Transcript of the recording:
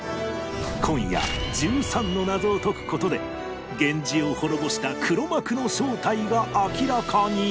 今夜１３の謎を解く事で源氏を滅ぼした黒幕の正体が明らかに！